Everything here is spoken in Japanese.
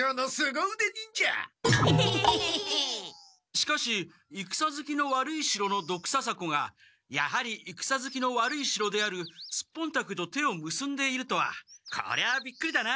しかしいくさずきの悪い城のドクササコがやはりいくさずきの悪い城であるスッポンタケと手をむすんでいるとはこりゃあびっくりだな！